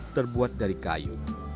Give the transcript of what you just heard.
terbuat dari kayu